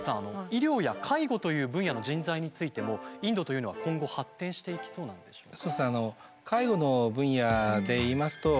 医療や介護という分野の人材についてもインドというのは今後発展していきそうなんでしょうか？